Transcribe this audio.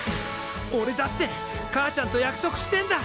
おれだってかあちゃんと約束してんだ！